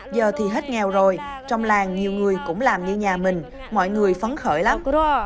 giờ thì hết nghèo rồi trong làng nhiều người cũng làm như nhà mình mọi người phấn khởi lắm